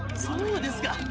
そうですか。